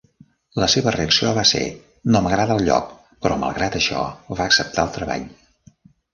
La seva reacció va ser: "No m'agrada el lloc", però malgrat això va acceptar el treball.